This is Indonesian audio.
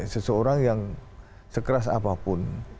seseorang yang sekeras apapun